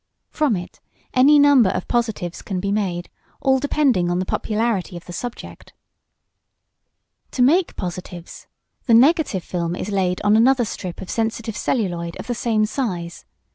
From it any number of positives can be made, all depending on the popularity of the subject. To make positives, the negative film is laid on another strip of sensitive celluloid of the same size.